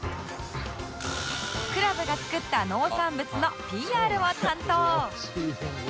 クラブが作った農産物の ＰＲ を担当